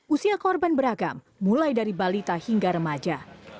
usia korban beragam mulai dari balita hingga remaja